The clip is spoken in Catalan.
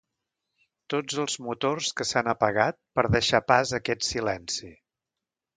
Tots els motors que s'han apagat per deixar pas a aquest silenci.